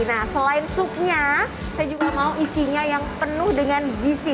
nah selain supnya saya juga mau isinya yang penuh dengan gizi